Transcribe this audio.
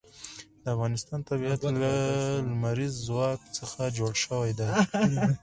د افغانستان طبیعت له لمریز ځواک څخه جوړ شوی دی.